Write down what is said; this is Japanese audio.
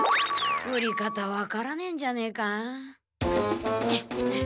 売り方わからねえんじゃねえか？